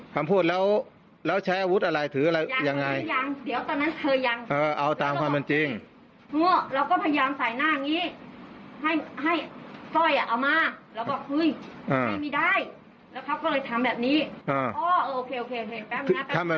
คือใช้อาวุธมีดออกมาเพื่อจะข่มขู่เรา